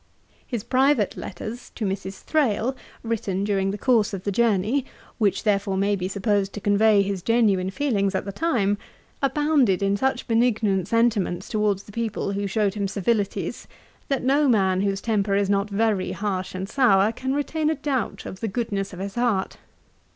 His private letters to Mrs. Thrale, written during the course of his journey, which therefore may be supposed to convey his genuine feelings at the time, abound in such benignant sentiments towards the people who showed him civilities, that no man whose temper is not very harsh and sour, can retain a doubt of the goodness of his heart.